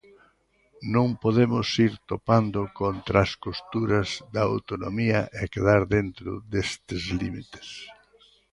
Non podemos ir topando contra as costuras da autonomía e quedar dentro destes límites.